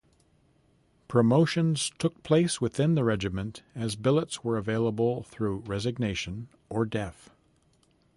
Promotions took place within the regiment as billets were available through resignation or death.